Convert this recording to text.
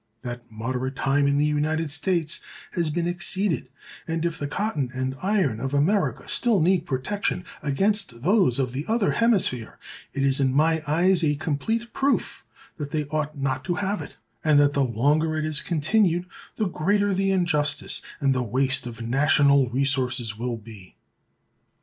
That moderate time in the United States has been exceeded, and if the cotton and iron of America still need protection against those of the other hemisphere, it is in my eyes a complete proof that they aught not to have it, and that the longer it is continued the greater the injustice and the waste of national resources will be."